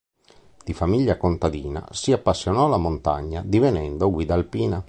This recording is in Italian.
Di famiglia contadina, si appassionò alla montagna, divenendo guida alpina.